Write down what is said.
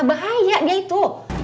bahaya dia itu